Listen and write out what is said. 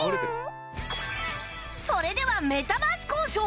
それではメタバース交渉！